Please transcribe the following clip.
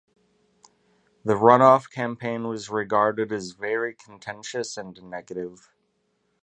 The runoff campaign was regarded as very contentious and negative.